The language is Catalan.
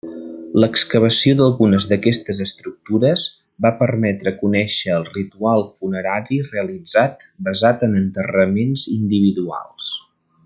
L’excavació d’algunes d’aquestes estructures va permetre conèixer el ritual funerari realitzat basat en enterraments individuals.